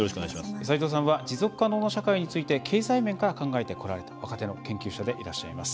斎藤さんは持続可能な社会について経済面から考えてこられた若手の研究者でいらっしゃいます。